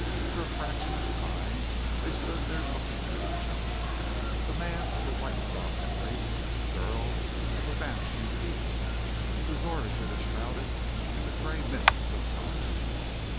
For a fraction of time they stood there looking at each other, the man of the white dominant race, the girl of a vanishing people, whose origin is shrouded in the grey mists of time.